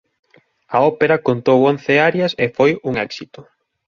A ópera contou once arias e foi un éxito.